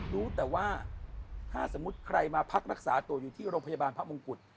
รู้แต่ว่าถ้าสมมุติใครมาพักรักษาตัวอยู่ที่โรงพยาบาลพระมงกุฎ